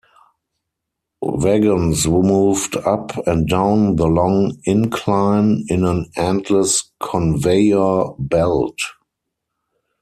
Wagons moved up and down the long incline in an endless conveyor belt.